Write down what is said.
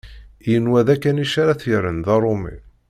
Yenwa d akanic ara t-yerren d aṛumi.